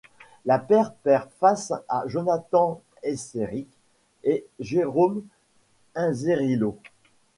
La paire perd face à Jonathan Eysseric et Jérôme Inzerillo.